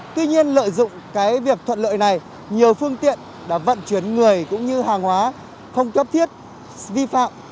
tuy nhiên lợi dụng cái việc thuận lợi này nhiều phương tiện đã vận chuyển người cũng như hàng hóa không cấp thiết vi phạm